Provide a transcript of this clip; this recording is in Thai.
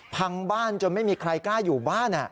พังบ้านจนไม่มีใครกล้าอยู่บ้าน